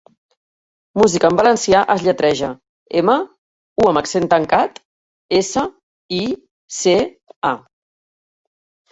'Música' en valencià es lletreja: eme, u amb accent tancat, esse, i, ce, a.